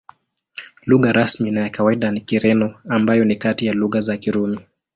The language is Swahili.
Lugha rasmi na ya kawaida ni Kireno, ambayo ni kati ya lugha za Kirumi.